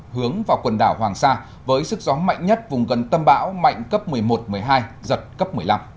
hướng vào quần đảo hoàng sa với sức gió mạnh nhất vùng gần tâm bão mạnh cấp một mươi một một mươi hai giật cấp một mươi năm